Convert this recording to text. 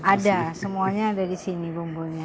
ada semuanya ada di sini bumbunya